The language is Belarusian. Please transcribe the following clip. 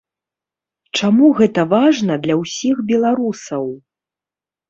Чаму гэта важна для ўсіх беларусаў?